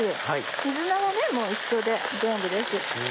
水菜はもう一緒で全部です。